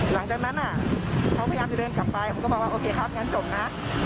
หลังจากนั้นเขาพยายามจะเดินกลับไปผมก็บอกว่าโอเคครับงั้นจบนะ